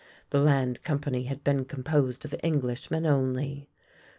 The Land Com pany had been composed of Englishmen only.